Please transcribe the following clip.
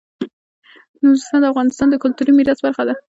نورستان د افغانستان د کلتوري میراث برخه ده.